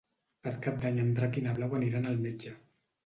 Per Cap d'Any en Drac i na Blau aniran al metge.